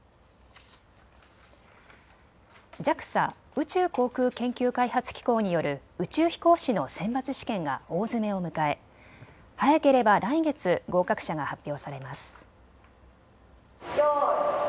ＪＡＸＡ・宇宙航空研究開発機構による宇宙飛行士の選抜試験が大詰めを迎え、早ければ来月、合格者が発表されます。